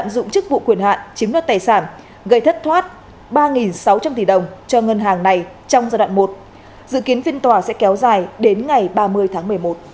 dụng chức vụ quyền hạn chiếm đặt tài sản gây thất thoát ba sáu trăm linh tỷ đồng cho ngân hàng này trong giai đoạn một dự kiến phiên tòa sẽ kéo dài đến ngày ba mươi tháng một mươi một